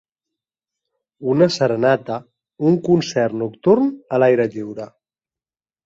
Una serenata, un concert nocturn a l'aire lliure